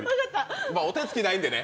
お手つきないんでね。